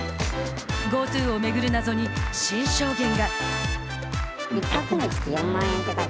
ＧｏＴｏを巡る謎に新証言が。